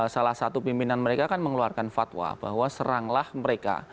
salah satu pimpinan mereka kan mengeluarkan fatwa bahwa seranglah mereka